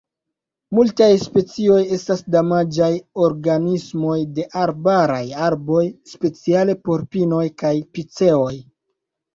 Multaj specioj estas damaĝaj organismoj de arbaraj arboj, speciale por pinoj kaj piceoj.